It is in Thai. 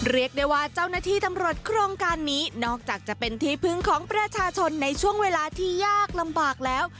เรียกได้ว่าเจ้าหน้าที่ตำรวจโครงการนี้นอกจากจะเป็นที่พึ่งของประชาชนในช่วงเวลาที่ยากลำบากแล้ว